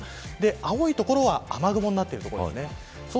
青い所は雨雲になっているエリアです。